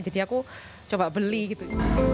jadi aku coba beli gitu